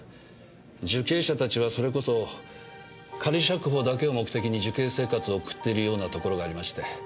受刑者たちはそれこそ仮釈放だけを目的に受刑生活を送っているようなところがありまして。